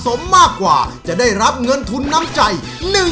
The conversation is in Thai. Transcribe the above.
โดยการแข่งขาวของทีมเด็กเสียงดีจำนวนสองทีม